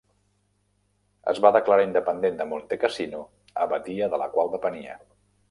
Es va declarar independent de Montecassino, abadia de la qual depenia.